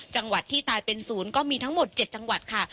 จังหวัดที่ตายเป็นศูนย์ก็มีทั้งหมด๗จังหวัดค่ะ